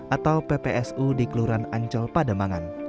atau ppsu di kelurahan ancol pademangan